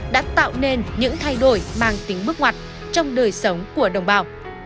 đã tạo nên những thay đổi mang tính bước ngoặt trong đời sống của đồng bào